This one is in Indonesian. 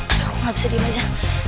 aduh aku gak bisa diem aja